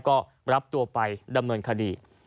ก็รับตัวไปดำเนินคดี